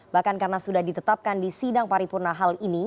bahkan karena sudah ditetapkan di sidang paripurna hal ini